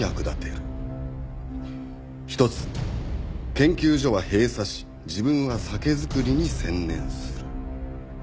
研究所は閉鎖し自分は酒造りに専念する」